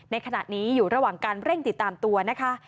ในขณะนี้อยู่ระหว่างการเร่งติดตามตัวนะคะ